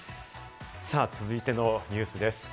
続いてのニュースです。